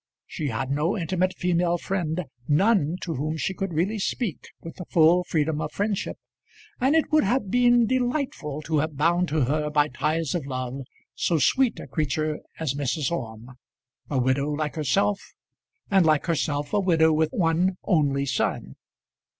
She had no intimate female friend, none to whom she could really speak with the full freedom of friendship, and it would have been delightful to have bound to her by ties of love so sweet a creature as Mrs. Orme, a widow like herself, and like herself a widow with one only son.